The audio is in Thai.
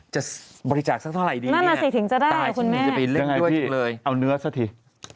จะบริจาคสักเท่าไรดีนี่ตายชีวิตจะไปเล่นด้วยอีกเลยคุณแม่นั่งไงพี่เอาเนื้อสักที